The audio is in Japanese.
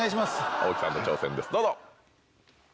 大木さんの挑戦ですどうぞ！